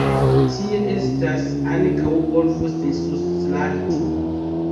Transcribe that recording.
Tie estas ankaŭ golfo Sisuslahti.